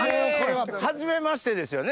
はじめましてですよね